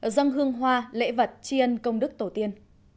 dân hương hoa lễ vật chiên công đức tổ tiên